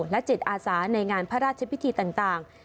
และ๗อาซาห์ในงานพระราชพิธีต่าง